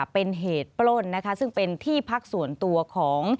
เป็นเหตุปล้นนะคะซึ่งเป็นที่พักส่วนตัวของ